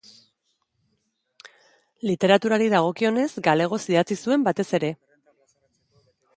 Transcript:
Literaturari dagokionez, galegoz idatzi zuen batez ere.